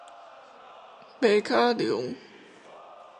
馬卡龍